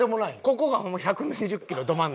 ここがホンマ１２０キロど真ん中。